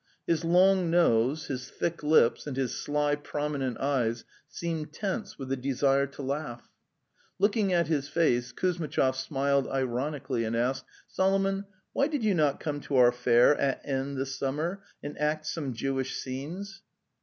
His long nose, his thick lips, and his sly prominent eyes seemed tense with the desire to laugh. Looking at his face, Kuzmitchov smiled ironically and asked: '" Solomon, why did you not come to our fair at N. this summer, and act some Jewish scenes?"